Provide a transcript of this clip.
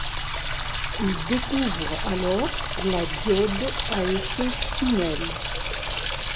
Il découvre alors la diode à effet tunnel.